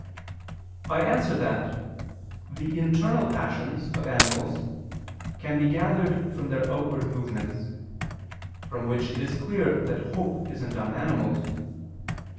I answer that, The internal passions of animals can be gathered from their outward movements: from which it is clear that hope is in dumb animals.